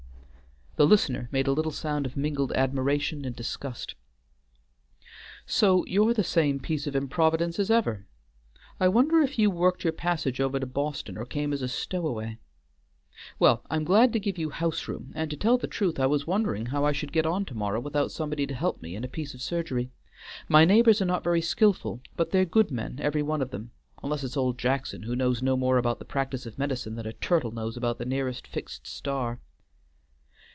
The listener made a little sound of mingled admiration and disgust. "So you're the same piece of improvidence as ever! I wonder if you worked your passage over to Boston, or came as a stowaway? Well, I'm glad to give you house room, and, to tell the truth, I was wondering how I should get on to morrow without somebody to help me in a piece of surgery. My neighbors are not very skillful, but they're good men every one of them, unless it's old Jackson, who knows no more about the practice of medicine than a turtle knows about the nearest fixed star.